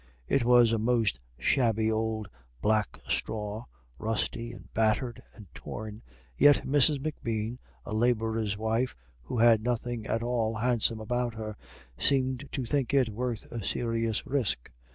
It was a most shabby old black straw, rusty and battered, and torn, yet Mrs. M'Bean, a labourer's wife, who had nothing at all handsome about her, seemed to think it worth a serious risk.